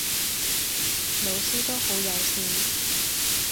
老師都好友善⠀